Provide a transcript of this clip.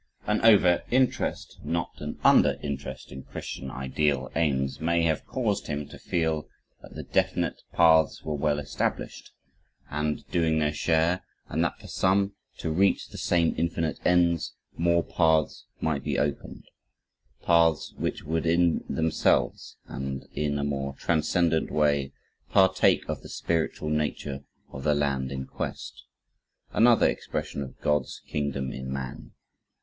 An over interest, not an under interest in Christian ideal aims, may have caused him to feel that the definite paths were well established and doing their share, and that for some to reach the same infinite ends, more paths might be opened paths which would in themselves, and in a more transcendent way, partake of the spiritual nature of the land in quest, another expression of God's Kingdom in Man.